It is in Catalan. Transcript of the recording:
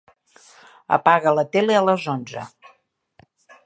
Apaga la tele a les onze.